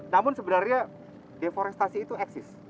namun sebenarnya deforestasi itu eksis